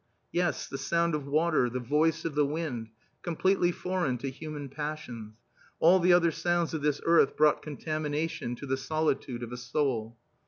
Yes, the sound of water, the voice of the wind completely foreign to human passions. All the other sounds of this earth brought contamination to the solitude of a soul.